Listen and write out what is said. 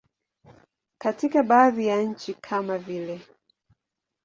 Katika baadhi ya nchi kama vile.